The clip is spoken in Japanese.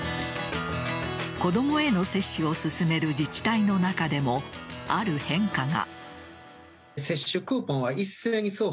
子供への接種を進める自治体の中でもある変化が。